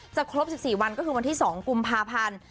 ครบ๑๔วันก็คือวันที่๒กุมภาพันธ์